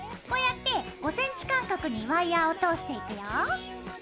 こうやって５ｃｍ間隔にワイヤーを通していくよ。